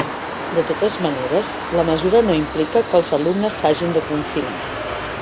De totes maneres, la mesura no implica que els alumnes s’hagin de confinar.